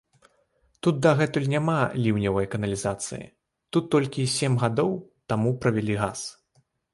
Тут дагэтуль няма ліўневай каналізацыі, тут толькі сем гадоў таму правялі газ.